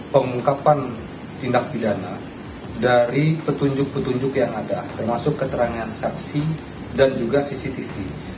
pengungkapan tindak pidana dari petunjuk petunjuk yang ada termasuk keterangan saksi dan juga cctv